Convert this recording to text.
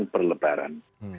kembang kembang kembang